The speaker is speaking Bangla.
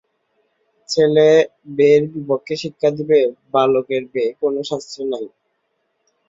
ছেলের বে-র বিপক্ষে শিক্ষা দিবে! বালকের বে কোন শাস্ত্রে নাই।